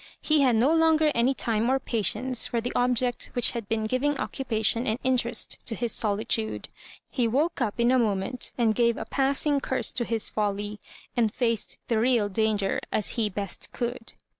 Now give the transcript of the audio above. He had no longer any time or patience for the object which had been giving occupation and interest to bis solitude. He woke up in a mo ment, and gave a passing curse to his folly, and faced the real danger as he best could.